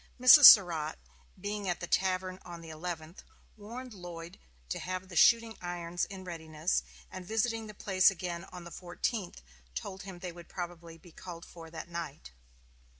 Mrs. Surratt, being at the tavern on the eleventh, warned Lloyd to have the "shooting irons" in readiness, and, visiting the place again on the fourteenth, told him they would probably be called for that night.